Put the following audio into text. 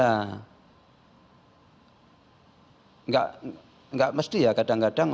enggak enggak mesti ya kadang kadang